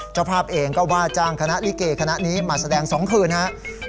เจ้าภาพเองก็ว่าจ้างคณะลิเกคณะนี้มาแสดง๒คืนครับ